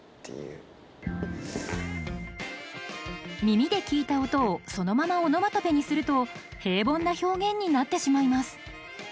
耳で聞いた音をそのままオノマトペにすると平凡な表現になってしまいます